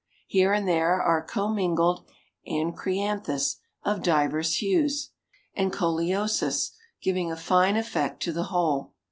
Here and there are commingled Anchryanthus of divers hues, and Coleosus, giving a fine effect to the whole.